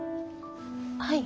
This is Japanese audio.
はい。